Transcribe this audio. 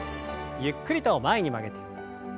ゆっくりと前に曲げて。